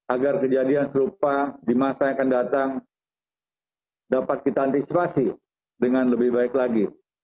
agar kejadian serupa di masa yang akan datang dapat kita antisipasi dengan lebih baik lagi